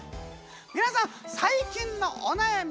皆さん最近のお悩み